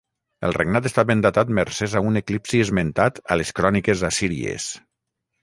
El regnat està ben datat mercès a un eclipsi esmentat a les cròniques assíries.